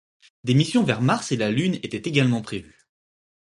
Des missions vers Mars et la Lune étaient également prévues.